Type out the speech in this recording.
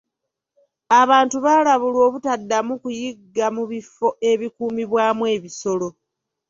Abantu baalabulwa obutaddamu kuyigga mu bifo ebikuumibwamu ebisolo.